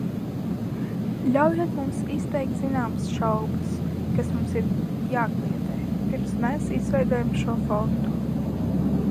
Ļaujiet man izteikt zināmas šaubas, kas mums ir jākliedē, pirms mēs izveidojam šo fondu.